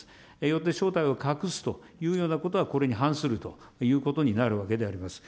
よって、正体を隠すというようなことはこれに反するということになるわけであります。